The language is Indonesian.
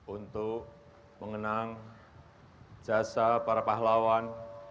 untuk mengenang jasa para pahlawan